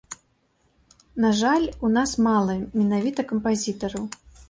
На жаль, у нас мала менавіта кампазітараў.